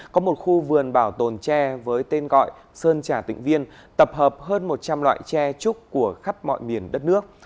có một khu vườn bảo tồn tre với tên gọi sơn trà tịnh viên tập hợp hơn một trăm linh loại tre trúc của khắp mọi miền đất nước